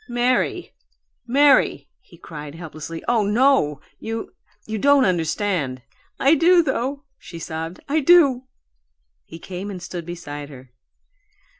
"Mary, Mary!" he cried, helplessly. "Oh NO you you don't understand." "I do, though!" she sobbed. "I do!" He came and stood beside her.